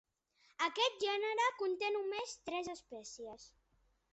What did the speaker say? Aquest gènere conté només tres espècies.